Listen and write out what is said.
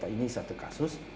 ini satu kasus